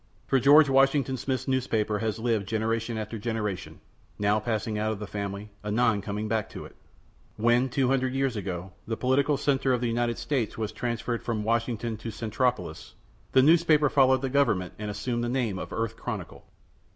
For George Washington Smith's newspaper has lived generation after generation, now passing out of the family, anon coming back to it. When, 200 years ago, the political center of the United States was transferred from Washington to Centropolis, the newspaper followed the government and assumed the name of Earth Chronicle.